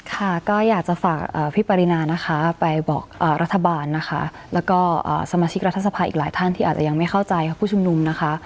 ค่ะก็อยากจะฝากพี่ปรินานะคะไปบอกรัฐบาลนะคะแล้วก็สมาชิกรัฐสภาอีกหลายท่านที่อาจจะยังไม่เข้าใจผู้ชุมนุมนะคะ